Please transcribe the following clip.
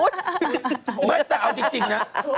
ตัวเอาจริงนะ